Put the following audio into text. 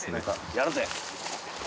やるぜ！